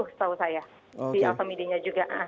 setahu saya di alphamidinya juga